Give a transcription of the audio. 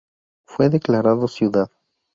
Fue declarado ciudad.